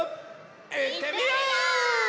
いってみよう！